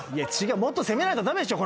もっと責めないと駄目でしょ